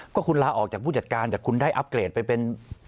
ก็คุณลาออกจากผู้จัดการแต่คุณได้อัพเกรดไปเป็น